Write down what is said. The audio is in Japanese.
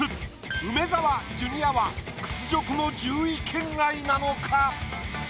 梅沢ジュニアは屈辱の１０位圏外なのか？